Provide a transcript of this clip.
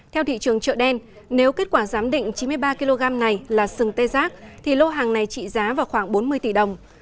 theo thị trường chợ đen nếu kết quả giám định chín mươi ba kg này là sừng tê giác thì lô hàng này trị giá vào khoảng bốn mươi tỷ đồng